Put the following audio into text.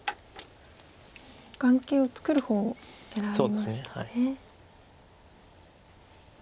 眼形を作る方を選びましたね。